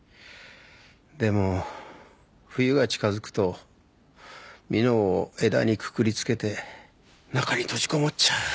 でも冬が近づくとミノを枝にくくりつけて中に閉じこもっちゃう。